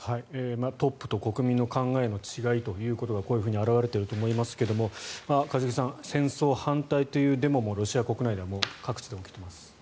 トップと国民の考えの違いということがこういうふうに表れていると思いますが一茂さん、戦争反対というデモもロシア国内各地で起きています。